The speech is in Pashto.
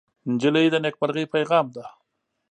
نجلۍ د نیکمرغۍ پېغام ده.